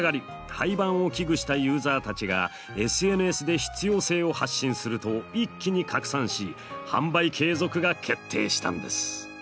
廃盤を危惧したユーザーたちがＳＮＳで必要性を発信すると一気に拡散し販売継続が決定したんです。